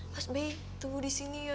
pas bi tunggu di sini ya